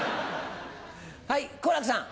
はい好楽さん。